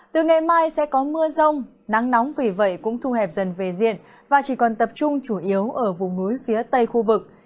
từ ngày mai sẽ có mưa rông nắng nóng vì vậy cũng thu hẹp dần về diện và chỉ còn tập trung chủ yếu ở vùng núi phía tây khu vực